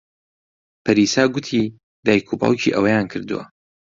پەریسا گوتی دایک و باوکی ئەوەیان کردووە.